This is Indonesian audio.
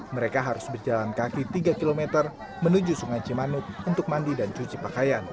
mereka harus berjalan kaki tiga km menuju sungai cimanuk untuk mandi dan cuci pakaian